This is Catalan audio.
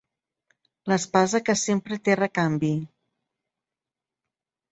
L'espasa que sempre té recanvi.